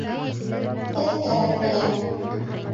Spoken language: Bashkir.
- Һеҙ кәрәк миңә.